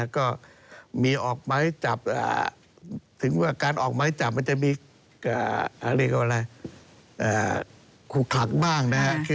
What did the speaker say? ก็มีออกไม้จับถึงว่าการออกไม้จับมันจะมีคู่ขลักบ้างนะครับ